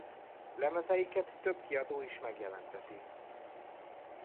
Lemezeiket több kiadó is megjelenteti.